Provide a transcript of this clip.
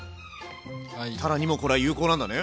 たらにもこれは有効なんだね？